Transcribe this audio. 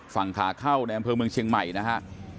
ฝั่งขาเข้าในอำเภอเมืองเชียงใหม่นะฮะ